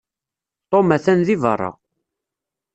Tom atan deg beṛṛa.